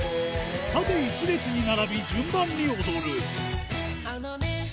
縦１列に並び、順番に踊る。